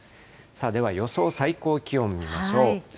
では予想最高気温見ましょう。